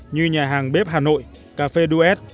như nhà hàng bếp hà nội cà phê duet